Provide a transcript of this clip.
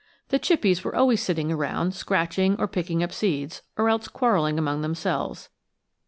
The chippies were always sitting around, scratching, or picking up seeds; or else quarreling among themselves.